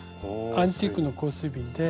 アンティークの香水瓶で。